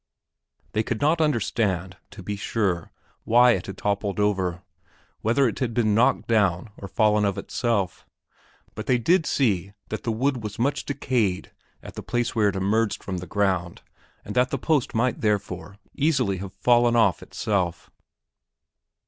They could not understand, to be sure, why it had toppled over whether it had been knocked down or fallen of itself; but they did see that the wood was much decayed at the place where it emerged from the ground and that the post might therefore easily have fallen of itself.